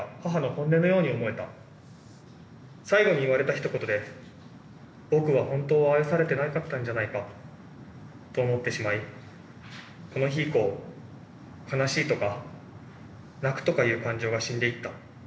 最後に言われたひと言で「僕は本当は愛されてなかったんじゃないか？」と思ってしまいこの日以降悲しいとか泣くとかいう感情が死んでいった。